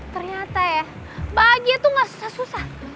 ternyata ya bahagia itu gak susah susah